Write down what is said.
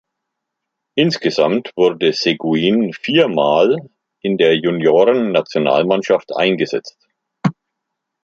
Insgesamt wurde Seguin viermal in der Junioren-Nationalmannschaft eingesetzt.